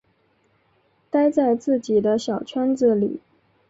待在自己的小圈子里